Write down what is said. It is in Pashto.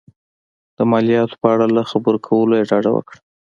د مالیاتو په اړه له خبرو کولو یې ډډه وکړه.